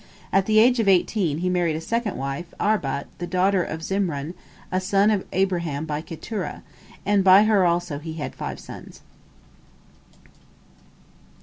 At the age of eighteen he married a second wife, Arbat, the daughter of Zimran, a son of Abraham by Keturah, and by her also he had five sons.